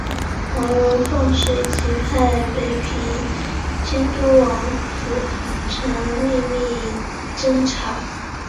毛人凤随即派北平督察王蒲臣秘密侦查。